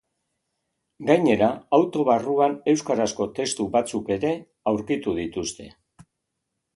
Gainera, auto barruan euskarazko testu batzuk ere aurkitu dituzte.